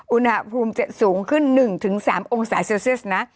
อุณหภูมิจะสูงขึ้น๑๓องศาเซลเซียสนะ